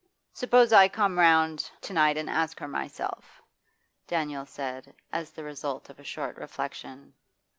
'Suppose I come round to night and ask her myself?' Daniel said, as the result of a short reflection.